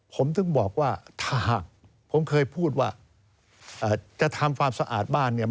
ผมถึงบอกว่าถ้าหากผมเคยพูดว่าจะทำความสะอาดบ้านเนี่ย